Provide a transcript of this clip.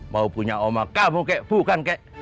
mau punya oma kamu kek bukan kek